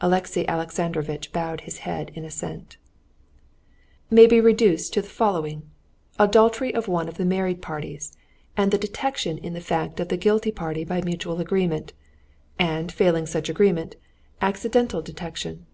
Alexey Alexandrovitch bowed his head in assent. "—May be reduced to the following: adultery of one of the married parties, and the detection in the fact of the guilty party by mutual agreement, and failing such agreement, accidental detection.